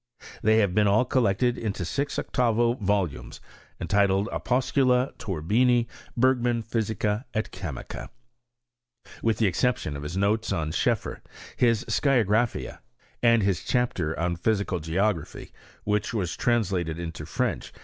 They, have been all collected into six octavo volumes en titled " Opuscnla Torberni Bergman Physica et Chemica" — with the exception of his notes on Scheffer, his Sciagrapliia, and his chapter on Physi ^al Geography, which was translated into French, YftOGBE&S or CHEMISTRT IN SWEDEN.